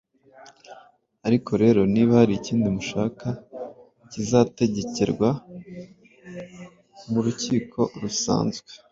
Ariko rero niba hari ikindi mushaka, kizategekerwa mu rukiko rusanzwe.